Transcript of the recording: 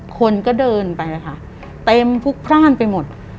คนก็เดินไปค่ะเต็มพลุกพร่านไปหมด